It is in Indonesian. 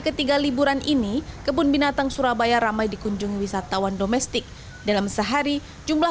ketiga liburan ini kebun binatang surabaya ramai dikunjungi wisatawan domestik dalam sehari jumlah